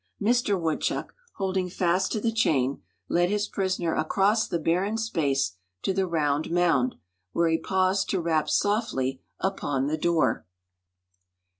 Mister Woodchuck, holding fast to the chain, led his prisoner across the barren space to the round mound, where he paused to rap softly upon the door.